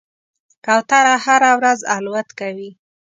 کوتره هره ورځ الوت کوي.